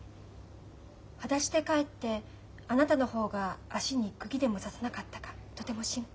「はだしで帰ってあなたの方が足にクギでも刺さなかったかとても心配。